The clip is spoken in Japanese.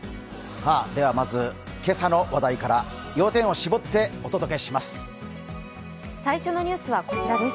さあ、まず今朝の話題から要点を絞ってお届けします。